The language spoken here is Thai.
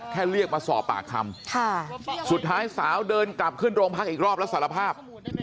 เรียกมาสอบปากคำสุดท้ายสาวเดินกลับขึ้นโรงพักอีกรอบแล้วสารภาพ